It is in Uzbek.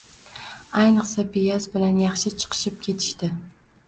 ayniqsa Beyaz bilan yaxshi chiqishib ketishdi.